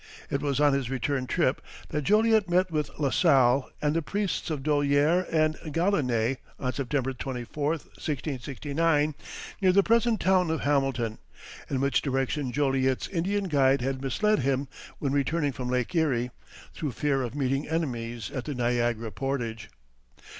It was on his return trip that Joliet met with La Salle and the priests Dolier and Galinée, on September 24, 1669, near the present town of Hamilton, in which direction Joliet's Indian guide had misled him when returning from Lake Erie, through fear of meeting enemies at the Niagara portage.